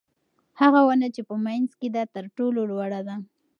هغه ونه چې په منځ کې ده تر ټولو لوړه ده.